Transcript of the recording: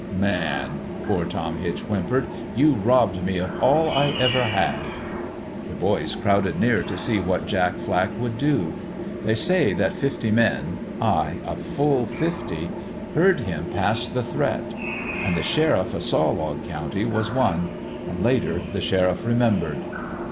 "' Man,' poor Tom Hitch whimpered, ' you robbed me of all I ever had !' "The boys crowded near t' see what Jack Flack would do. They say that fifty men ay, a full fifty heard him pass the threat. An' the sheriff o' Saw log County was one ; an' later, the sheriff remembered.